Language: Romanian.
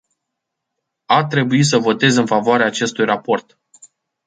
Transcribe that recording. A trebuit să votez în favoarea acestui raport.